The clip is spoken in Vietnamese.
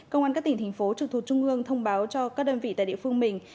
công an các tỉnh thành phố trực thuộc trung ương thông báo cho các đơn vị tại địa phương mình